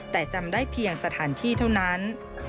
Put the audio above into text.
แต่จำได้เพียงสถานที่เท่านั้น